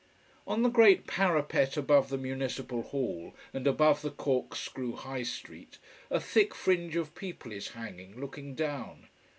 On the great parapet above the Municipal Hall and above the corkscrew high street a thick fringe of people is hanging, looking down.